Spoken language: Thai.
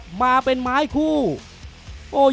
สวัสดีครับ